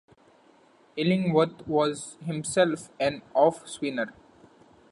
Illingworth was himself an off spinner.